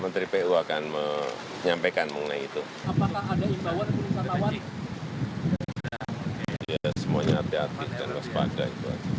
terakhir untuk masyarakat yang berada di sini berapa lama